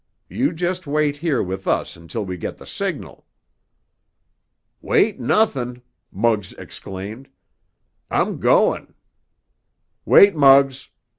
You just wait here with us until we get the signal." "Wait nuthin'!" Muggs exclaimed. "I'm goin'——" "Wait, Muggs!